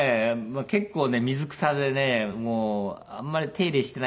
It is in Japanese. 結構ね水草でねもうあんまり手入れしてない。